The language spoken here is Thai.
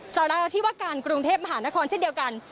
สาราธิวการกรุงเทพมหานครเช่นเดียวกัน